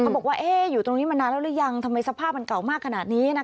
บอกว่าอยู่ตรงนี้มานานแล้วหรือยังทำไมสภาพมันเก่ามากขนาดนี้นะ